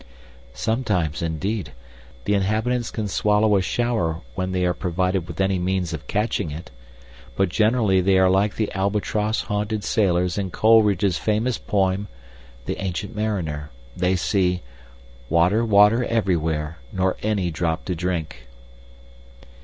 Sometimes, indeed, the inhabitants can swallow a shower when they are provided with any means of catching it; but generally they are like the albatross haunted sailors in Coleridge's famous poem "The Ancient Mariner." They see Water, Water, everywhere, Nor any drop to drink!